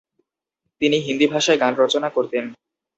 তিনি হিন্দি ভাষায় গান রচনা করতেন।